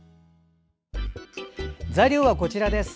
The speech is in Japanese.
材料はこちらです。